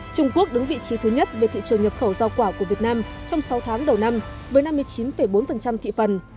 trung quốc đứng vị trí thứ nhất về thị trường nhập khẩu giao quả của việt nam trong sáu tháng đầu năm với năm mươi chín bốn thị phần